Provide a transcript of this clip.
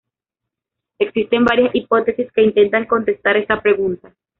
Existen varias hipótesis que intentan contestar esta pregunta.